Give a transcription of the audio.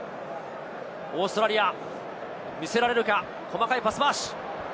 オーストラリア、見せられるか、細かいパス回し。